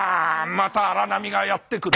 また荒波がやって来る。